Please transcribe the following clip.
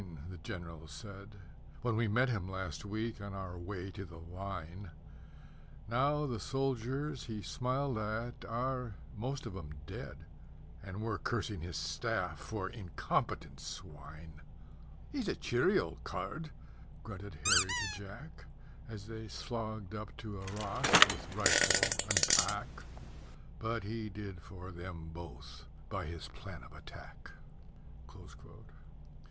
the General said When we met him last week on our way to the Line, Now the soldiers he smiled at are most of 'em dead, And we're cursing his staff for incompetent swine. "He's a cheery old card," grunted Harry to Jack As they slogged up to Arras with rifle and pack. But he did for them both by his plan of attack. Mr.